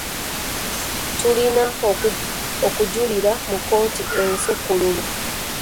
Tulina okujulira mu kkooti ensukkulumu.